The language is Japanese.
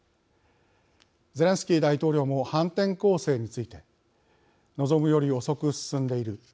ゼレンスキー大統領も反転攻勢について望むより遅く進んでいる。